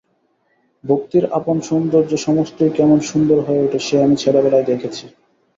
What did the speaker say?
ভক্তির আপন সৌন্দর্যে সমস্তই কেমন সুন্দর হয়ে ওঠে সে আমি ছেলেবেলায় দেখেছি।